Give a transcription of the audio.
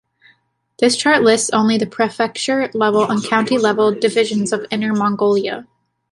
This chart lists only the prefecture-level and county-level divisions of Inner Mongolia.